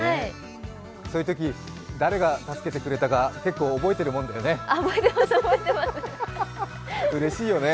そういうとき、誰が助けてくれたか結構覚えてるもんだよね。